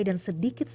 dan sedikit sayur